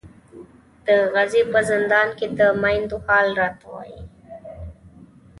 د غزې په زندان کې د میندو حال راته وایي.